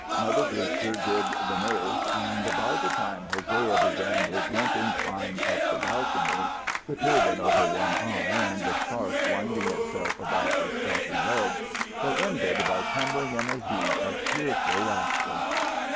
Mother Brewster did the Nurse, and by the time Hosea began his limping climb up the balcony, the turban over one eye and the scarf winding itself about his stocky legs, they ended by tumbling in a heap of tearful laughter.